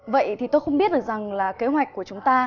vậy thì tôi không biết được rằng là kế hoạch của chúng ta